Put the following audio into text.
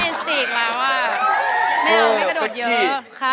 ไม่เอาอัพเองกระโดดเยอะ